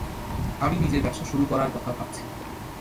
আমি নিজের ব্যবসা শুরু করার কথা ভাবছি।